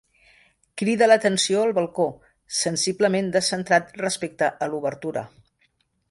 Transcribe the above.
Crida l'atenció el balcó sensiblement descentrat respecte a l'obertura.